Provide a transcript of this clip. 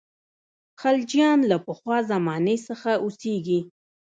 خلجیان له پخوا زمانې څخه اوسېږي.